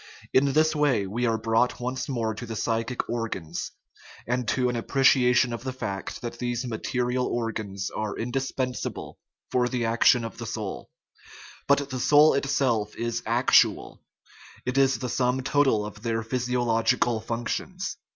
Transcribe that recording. In this way we are brought once more to the psychic organs, and to an appreciation of the fact that these material organs are indispensable for the action of the soul; but the soul itself is actual it is the sum total of their physiological functions.